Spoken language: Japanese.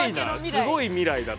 すごい未来だな。